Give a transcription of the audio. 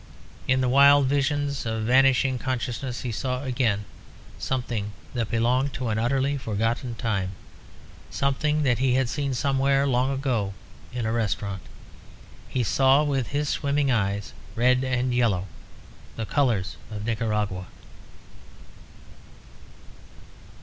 In the wild visions of vanishing consciousness, he saw again something that belonged to an utterly forgotten time, something that he had seen somewhere long ago in a restaurant. He saw, with his swimming eyes, red and yellow, the colours of Nicaragua.